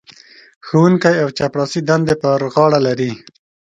ښوونکی او چپړاسي دندې پر غاړه لري.